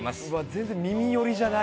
全然耳よりじゃない。